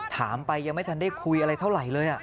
ถามไปยังไม่ทันได้คุยอะไรเท่าไหร่เลย